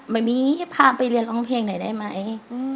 ไม่มีพาไปเรียนร้องเพลงไหนได้ไหม